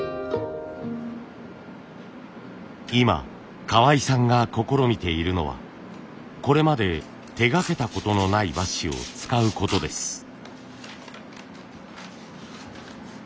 今河合さんが試みているのはこれまで手がけたことのない和紙を使うことです。